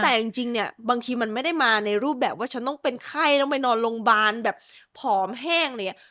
แต่จริงเนี่ยบางทีมันไม่ได้มาในรูปแบบว่าฉันต้องเป็นไข้ต้องไปนอนโรงพยาบาลแบบผอมแห้งอะไรอย่างนี้